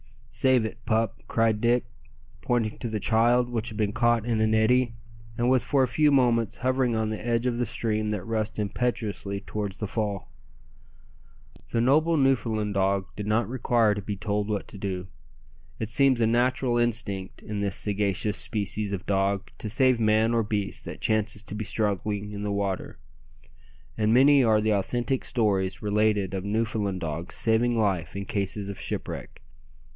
"Save it, pup," cried Dick, pointing to the child, which had been caught in an eddy, and was for a few moments hovering on the edge of the stream that rushed impetuously towards the fall. The noble Newfoundland did not require to be told what to do. It seems a natural instinct in this sagacious species of dog to save man or beast that chances to be struggling in the water, and many are the authentic stories related of Newfoundland dogs saving life in cases of shipwreck.